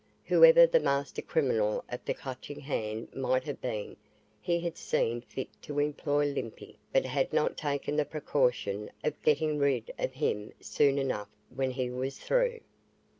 Whoever the master criminal of the Clutching Hand might have been he had seen fit to employ Limpy but had not taken the precaution of getting rid of him soon enough when he was through.